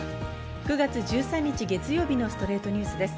９月１３日、月曜日の『ストレイトニュース』です。